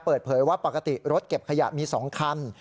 เปิดเผยว่าปกติรถเก็บขยะมี๒คัน